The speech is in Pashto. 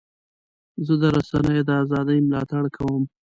زه د رسنیو د ازادۍ ملاتړ کوم.